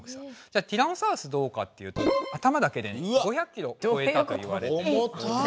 じゃあティラノサウルスどうかというと頭だけで５００キロをこえたと言われています。